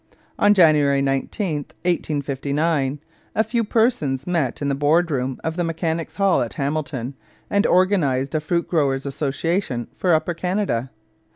On January 19, 1859, a few persons met in the board room of the Mechanics' Hall at Hamilton and organized a fruit growers' association for Upper Canada.